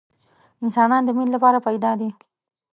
انسانان د مینې لپاره پیدا دي